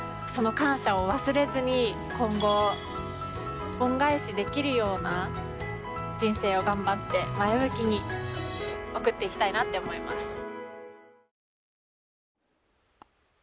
その感謝を忘れずに今後恩返しできるような人生を頑張って前向きに送っていきたいなって思います。